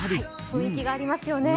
雰囲気がありますよね。